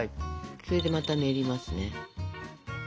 それでまた練りますね。